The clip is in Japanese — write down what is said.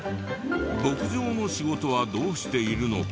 牧場の仕事はどうしているのか？